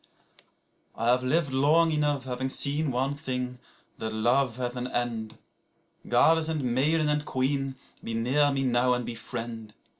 1I have lived long enough, having seen one thing, that love hath an end;2Goddess and maiden and queen, be near me now and befriend.